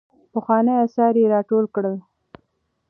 پخواني اثار يې راټول کړل.